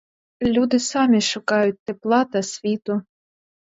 Люди самі шукають тепла та світу.